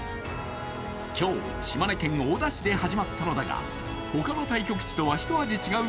今日、島根県大田市で始まったのだが他の対局地とはひと味違う